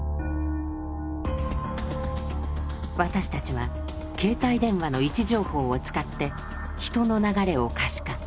私たちは携帯電話の位置情報を使って人の流れを可視化。